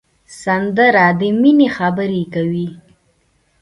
سندره د مینې خبرې کوي